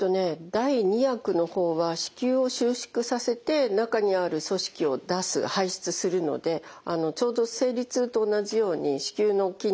第２薬の方は子宮を収縮させて中にある組織を出す排出するのでちょうど生理痛と同じように子宮の筋肉まあ壁のね